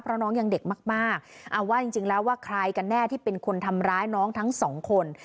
เพราะน้องยังเด็กมากเอาว่าจริงแล้วว่าใครกันแน่ที่เป็นคนทำร้ายน้องทั้งสองคน